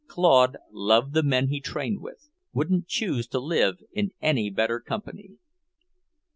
Claude, loved the men he trained with, wouldn't choose to live in any better company.